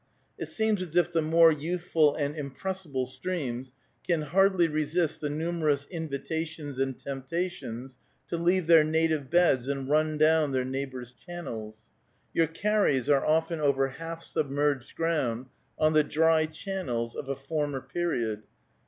It seems as if the more youthful and impressible streams can hardly resist the numerous invitations and temptations to leave their native beds and run down their neighbors' channels. Your carries are often over half submerged ground, on the dry channels of a former period.